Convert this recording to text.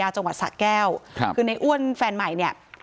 ทั้งครูก็มีค่าแรงรวมกันเดือนละประมาณ๗๐๐๐กว่าบาท